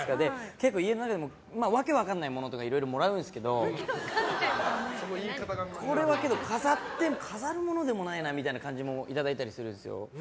結構、家の中にも。訳の分からないものとかもいろいろもらうんですけどこれは飾るものでもないなみたいなものもいただいたりするんですよ。